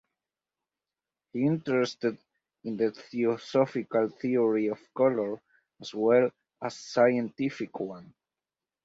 He interested in the Theosophical theory of colour as well as scientific one.